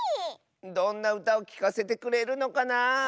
どんなうたをきかせてくれるのかなあ。